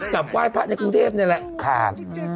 กลับไหว้พระในกรุงเทพนี่แหละ